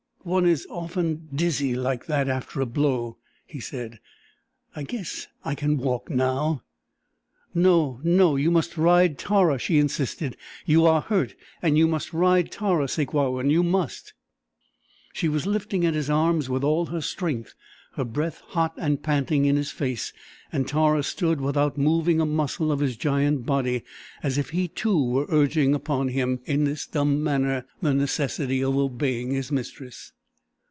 "One is often dizzy like that after a blow," he said, "I guess I can walk now." "No, no, you must ride Tara," she insisted. "You are hurt and you must ride Tara, Sakewawin. You must!" She was lifting at his arms with all her strength, her breath hot and panting in his face, and Tara stood without moving a muscle of his giant body, as if he, too, were urging upon him in this dumb manner the necessity of obeying his mistress.